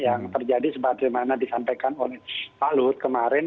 yang terjadi sebagaimana disampaikan oleh pak luhut kemarin